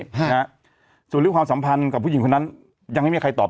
ฮะนะฮะส่วนเรื่องความสัมพันธ์กับผู้หญิงคนนั้นยังไม่มีใครตอบ